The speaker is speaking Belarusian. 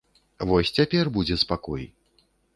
Вось цяпер будзе спакой.